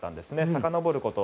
さかのぼること